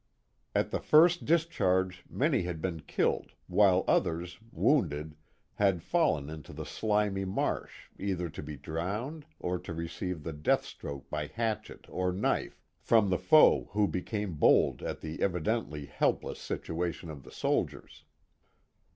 At the first discharge many had been killed while others, wounded, had fallen into the slimy marsh either to be drowned or to receive the death stroke by hatchet or knife from the foe who became bold at the evidently helpless situation of the soldiers.